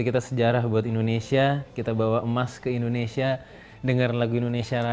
kita sejarah buat indonesia kita bawa emas ke indonesia dengar lagu indonesia raya